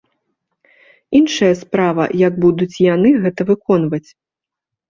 Іншая справа, як будуць яны гэта выконваць.